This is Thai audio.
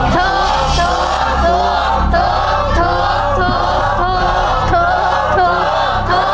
ถูก